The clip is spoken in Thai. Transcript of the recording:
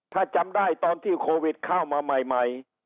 ถ้าจำได้ตอนที่โควิดเข้ามาใหม่